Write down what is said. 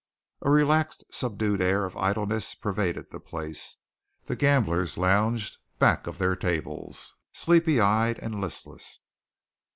A relaxed, subdued air of idleness pervaded the place. The gamblers lounged back of their tables, sleepy eyed and listless.